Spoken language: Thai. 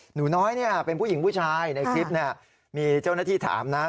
หนูน้อยเป็นผู้หญิงผู้ชายในคลิปมีเจ้าหน้าที่ถามนะ